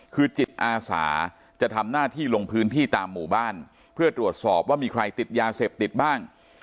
คือจิตอาสาจะทำหน้าที่ลงพื้นที่ตามหมู่บ้านเพื่อตรวจสอบว่ามีใครติดยาเสพติดบ้าง